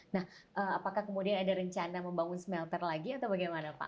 nah apakah kemudian ada rencana membangun smelter lagi atau bagaimana pak